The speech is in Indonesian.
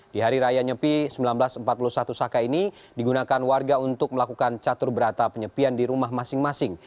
di hari raya nyepi seribu sembilan ratus empat puluh satu saka ini digunakan warga untuk melakukan catur berata penyepian di rumah masing masing